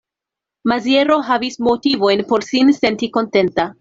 Maziero havis motivojn por sin senti kontenta.